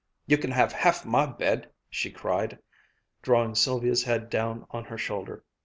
"You can have half my bed!" she cried, drawing Sylvia's head down on her shoulder.